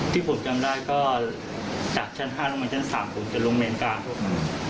ที่ผมจำได้ก็จากชั้น๕ลงมาชั้น๓ผมจะลงเมนกลางพวกมัน